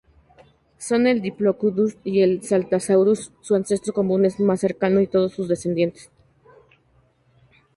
Son el "Diplodocus", el "Saltasaurus" su ancestro común más cercano y todos sus descendientes.